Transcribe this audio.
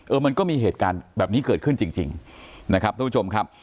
มันก็มีเหตุการณ์แบบนี้เกิดขึ้นจริงจริงนะครับทุกผู้ชมครับ